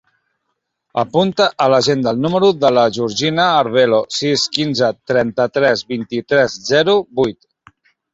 Apunta a l'agenda el número de la Georgina Arvelo: sis, quinze, trenta-tres, vint-i-tres, zero, vuit.